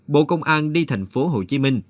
bộ công an đi thành phố hồ chí minh